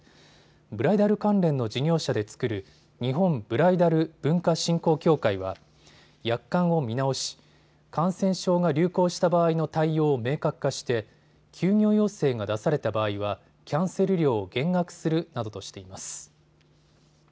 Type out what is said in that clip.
ブライダル関連の事業者で作る日本ブライダル文化振興協会は約款を見直し、感染症が流行した場合の対応を明確化して休業要請が出された場合はキャンセル料を減額するなどとしています。